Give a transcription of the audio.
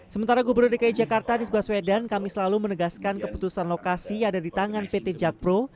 sementara gubernur dki jakarta anies baswedan kami selalu menegaskan keputusan lokasi ada di tangan pt jakpro